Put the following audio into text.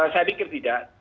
saya pikir tidak